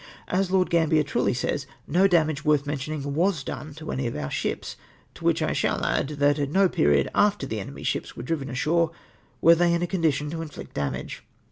As Lord Gambier truly says, no damage worth mentioning ivas done to any of our ships, to which I shall add, that at no period after the enemy's sliips were driven ashore were they in a con dition to inflict damage.